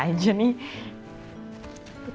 betul kan mbak